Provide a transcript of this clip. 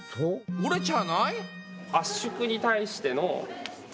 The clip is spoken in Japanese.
折れちゃわない？